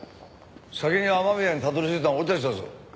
先に雨宮にたどり着いたのは俺たちだぞ。